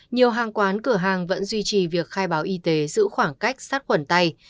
nhiều hàng quán cửa hàng vẫn duy trì việc khai báo y tế giữ khoảng cách sát khuẩn tay